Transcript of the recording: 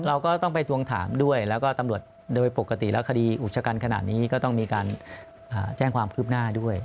เราก็ต้องไปทวงถามด้วยแล้วก็ตำรวจโดยปกติแล้วคดีอุกชกันขนาดนี้ก็ต้องมีการแจ้งความคืบหน้าด้วย